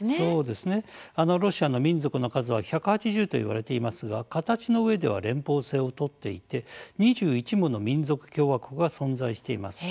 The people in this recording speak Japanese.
ロシアの民族の数は１８０と言われていますが形の上では連邦制を取っていて２１もの民族共和国が存在しています。